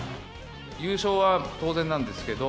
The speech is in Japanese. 優勝は当然なんですけど、